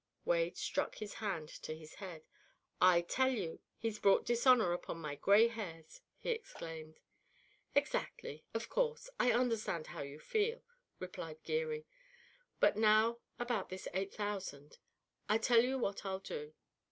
Wade struck his hand to his head. "I tell you, he's brought dishonour upon my gray hairs," he exclaimed. "Exactly, of course, I understand how you feel," replied Geary, "but now about this eight thousand? I tell you what I'll do."